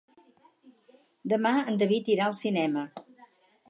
Demà en David irà al cinema.